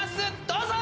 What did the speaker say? どうぞ！